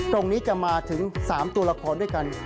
ตรงนี้จะมาถึง๓ตัวละครด้วยกัน